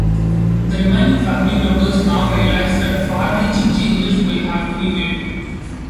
The remaining family members now realise that far-reaching changes will have to be made.